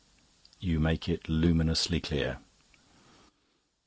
"You make it luminously clear."